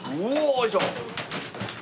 よいしょ！